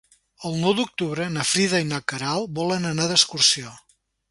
El nou d'octubre na Frida i na Queralt volen anar d'excursió.